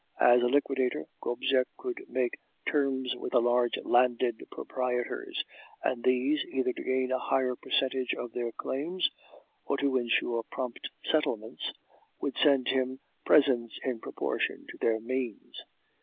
As a liquidator, Gobseck could make terms with the large landed proprietors; and these, either to gain a higher percentage of their claims, or to ensure prompt settlements, would send him presents in proportion to their means.